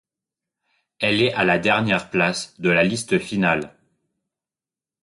Elle est à la dernière place de la liste finale.